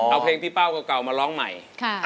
เอาเพลงพี่เป้าเก่ามาร้องใหม่